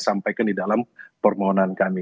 sampaikan di dalam permohonan kami